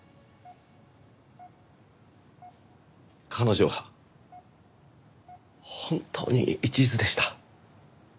彼女は本当に一途でした。